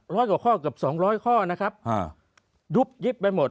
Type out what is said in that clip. ร้อยกว่าข้อกับ๒๐๐ข้อนะครับดุ๊บยิบไปหมด